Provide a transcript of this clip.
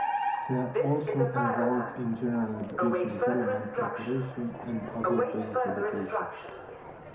They are also enrolled in General Educational Development preparation and Adult Basic Education.